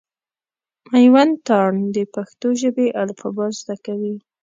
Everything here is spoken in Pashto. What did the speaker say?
مېوند تارڼ د پښتو ژبي الفبا زده کوي.